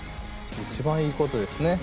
一番いいことですね。